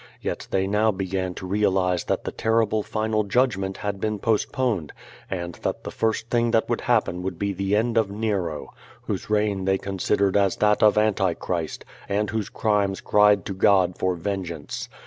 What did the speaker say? Yet they now began to realize that the terrible final judgment had been postponed, and that the first tiling that would happen would be the end of Nero, whose reign they considered as that of Antichrist, and whose crimes cried to God for vengeance.